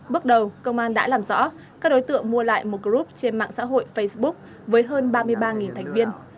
bước đầu công an đã làm rõ các đối tượng mua lại một group trên mạng xã hội facebook với hơn ba mươi ba thành viên